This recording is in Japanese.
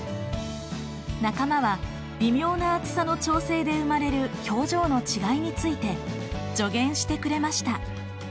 仲間は微妙な厚さの調整で生まれる表情の違いについて助言してくれました。